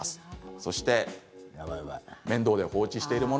そして、面倒で放置しているもの